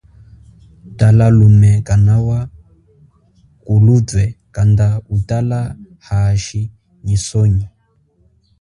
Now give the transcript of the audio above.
Tala lume kanawa kulutwe kanda utala hashi nyi sonyi.